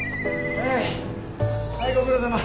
おおご苦労さま。